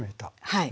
はい。